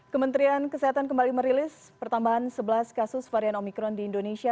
kementerian kesehatan kembali merilis pertambahan sebelas kasus varian omikron di indonesia